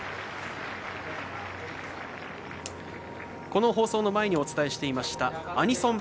この放送の前にお伝えしていましたアニソン！